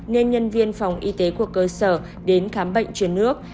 nên nhân viên phòng y tế của cơ sở đến khám bệnh truyền nước